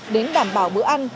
đến đảm bảo bữa ăn